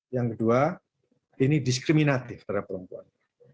yang kedua ini diskriminatif terhadap perempuan